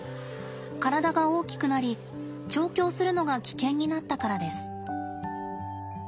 体が大きくなり調教するのが危険になったからです。